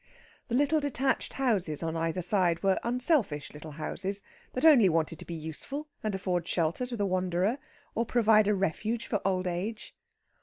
The little detached houses on either side were unselfish little houses, that only wanted to be useful and afford shelter to the wanderer, or provide a refuge for old age.